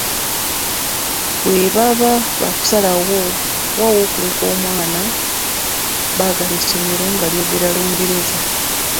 Bwe baba baakusalawo wa ew’okuleka omwana baagala essomero nga lyogera Olungereza.